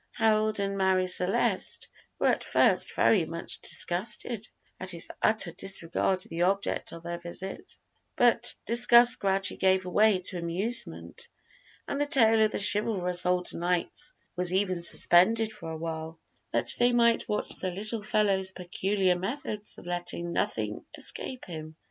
Harold and Marie Celeste were at first very much disgusted at his utter disregard of the object of their visit, but disgust gradually gave way to amusement, and the tale of the chivalrous old knights was even suspended for awhile, that they might watch the little fellow's peculiar methods of letting nothing escape him.